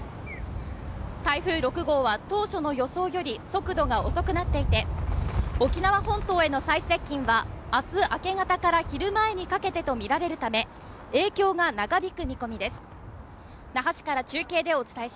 台風６号は当初の予想より速度が遅くなっていて沖縄本島への最接近はあす明け方から昼前にかけてとみられるため影響が長引く見込みです